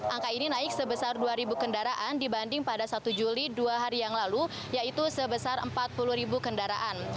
angka ini naik sebesar dua kendaraan dibanding pada satu juli dua hari yang lalu yaitu sebesar empat puluh ribu kendaraan